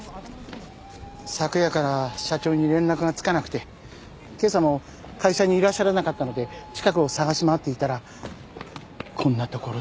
昨夜から社長に連絡がつかなくて今朝も会社にいらっしゃらなかったので近くを捜し回っていたらこんな所で。